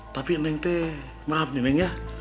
tapi neng teh maaf neng ya